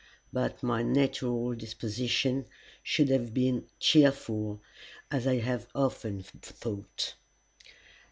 But my natural disposition should have been cheerful, as I have often thought.